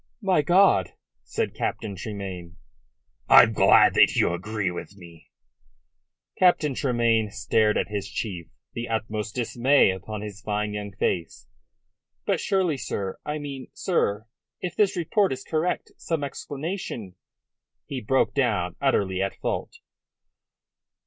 "My God!" said Captain Tremayne. "I'm glad that you agree with me." Captain Tremayne stared at his chief, the utmost dismay upon his fine young face. "But surely, sir, surely I mean, sir, if this report is correct some explanation " He broke down, utterly at fault.